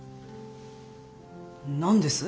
何です？